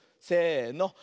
せの。